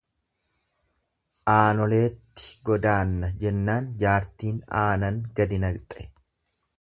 Aanoleetti godaanna jennaan jaartiin aanan gadi naqxe.